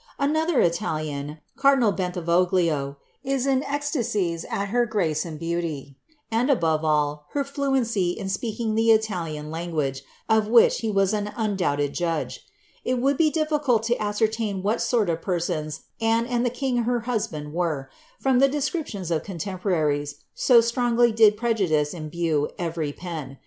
^' Another Ita lian, cardinal Bentivoglio, is in ecstasies at her grace and beauty, and, ebove all, her fluency in speaking the Italian language, of which he was en undoubted judge. It would be difficult to ascertain what sort of persons Anne and the king, her husband, were, from the descriptions of contemporaries, so strongly did prejudice imbue every pen.